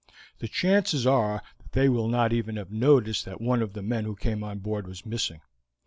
The chances are they will not even have noticed that one of the men who came on board was missing.